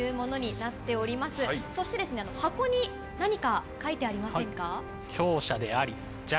そして箱に何か書いてありませんか？